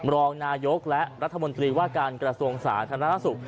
รองนายกและรัฐมนตรีว่าการกระทรวงสาธารณสุข